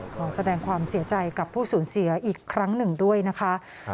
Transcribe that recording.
ขอแสดงความเสียใจกับผู้สูญเสียอีกครั้งหนึ่งด้วยนะคะ